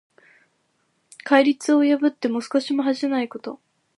戒律を破っても少しも恥じないこと。